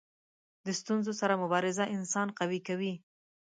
د ستونزو سره مبارزه انسان قوي کوي.